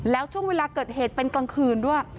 แล้วช่วงเวลาเกิดเหตุเป็นกลางคืนด้วย